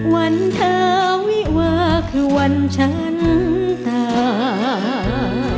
วันเธอวิวาคือวันฉันตา